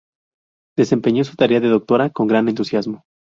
Desempeñó su tarea de doctora con gran entusiasmo.